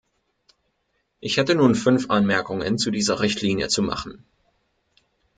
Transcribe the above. Ich hätte nun fünf Anmerkungen zu dieser Richtlinie zu machen.